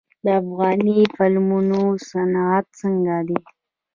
د افغاني فلمونو صنعت څنګه دی؟